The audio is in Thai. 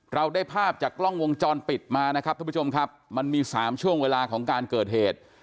เราได้ภาพจากกล้องวงจรปิดมานะครับทุกผู้ชมครับมันมี๓ช่วงเวลาของการเกิดเหตุ